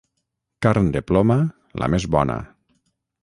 Carn de ploma, la més bona.